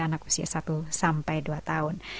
anak usia satu sampai dua tahun